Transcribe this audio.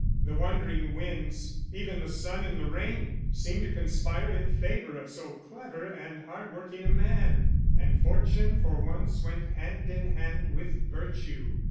The wandering winds, even the sun and the rain, seemed to conspire in favour of so clever and hard working a man; and fortune for once went hand in hand with virtue.